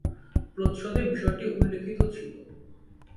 প্রচ্ছদে বিষয়টি উল্লিখিত ছিল।